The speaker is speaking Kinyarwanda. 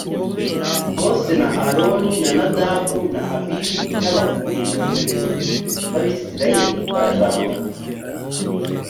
mose na aroni na nadabu na abihu n’abakuru mirongo irindwi b’abisirayeli barazamuka